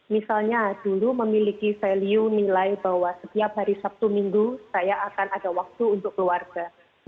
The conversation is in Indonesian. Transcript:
misalnya dulu memiliki value nilai bahwa setiap hari sabtu minggu saya akan ada waktu untuk keluarga